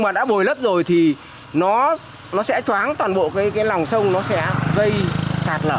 mà đã bồi lấp rồi thì nó sẽ choáng toàn bộ cái lòng sông nó sẽ gây sạt lở hai bên